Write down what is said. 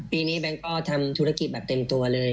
ปีนี้แบงค์ก็ทำธุรกิจแบบเต็มตัวเลย